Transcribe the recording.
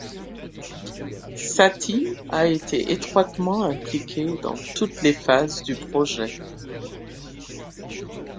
Satie a été étroitement impliqué dans toutes les phases du projet.